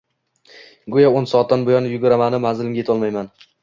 Go`yo o`n soatdan buyon yuguraman-u, manzilimga etolmayman